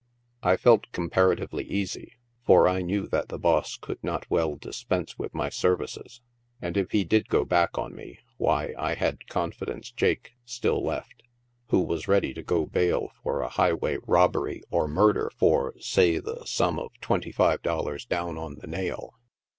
I felt comparatively easy, for I knew that the boss could not well dispense with my services, and if he did go back on me, why I had " Confidence Jake" still left, who was ready to go bail for a high way robbery or murder for, say, the sum of twenty five dollars down on the nail.